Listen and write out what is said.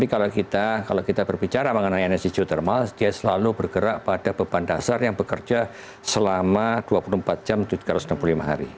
kalau kita berbicara mengenai energi geothermal dia selalu bergerak pada beban dasar yang bekerja selama dua puluh empat jam tiga ratus enam puluh lima hari